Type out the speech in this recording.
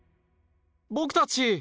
僕たち？